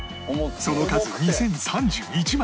その数２０３１枚